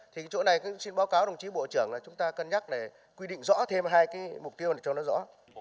thì chỗ này xin báo cáo đồng chí bộ trưởng là chúng ta cân nhắc để quy định rõ thêm hai cái mục tiêu này cho nó rõ